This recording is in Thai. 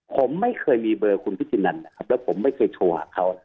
ผมไม่เคยมีเบอร์คุณพิธีนันและผมไม่เคยโทรหาเขา